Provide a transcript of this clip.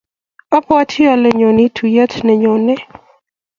abwatii ale nyonii tuuye nenyone.